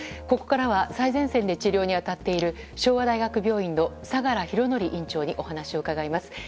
ここからは最前線で治療に当たる昭和大学病院の相良博典院長にお話を伺います。